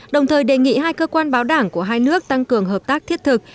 đồng thời đề nghị hai cơ quan báo đảng của hai nước tăng cường hợp tác thiết thực